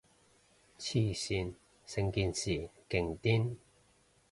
黐線，成件事勁癲